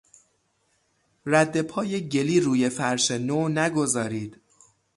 ردپای گلی روی فرش نو نگذارید!